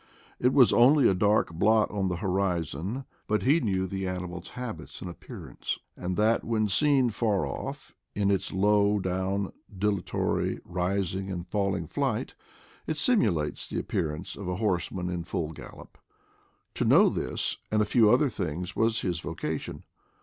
It was only a dark blot on the horizon; but he knew the animal's habits and appearance, and that when seen far off, in its low down, dilatory, rising and falling flight, it simulates the appearance of a horseman in full gallop. To know this and a few other things was his vocation.